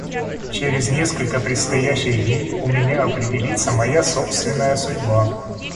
Через несколько предстоящих дней у меня определится моя собственная судьба.